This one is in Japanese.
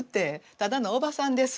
ただのおばさんです。